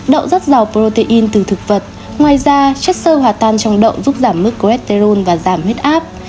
đậu rất giàu protein từ thực vật ngoài ra chất sơ hòa tan trong đậu giúp giảm mức cholesterol và giảm huyết áp